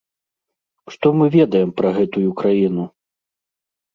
Што мы ведаем пра гэтую краіну?